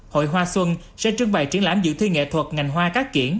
hội hoa xuân sẽ trưng bày truyện lãnh dự thi nghệ thuật ngành hoa cá kiển